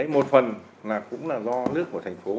một phần là cũng là do nước của thành phố